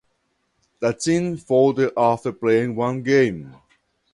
The team folded after playing one game.